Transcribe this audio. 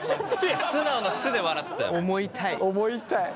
素直な「素」で笑ってたよ。